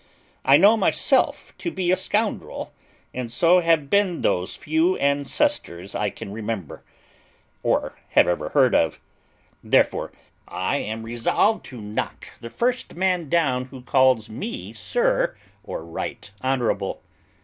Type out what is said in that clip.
I know myself to be a scoundrel, and so have been those few ancestors I can remember, or have ever heard of. Therefore, I am resolved to knock the first man down who calls me sir or right honourable.